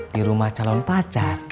di rumah calon pacar